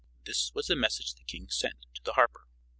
This was the message the king sent to the harper.